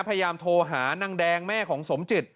พยายามโทรหานางแดงแม่ของสมจิต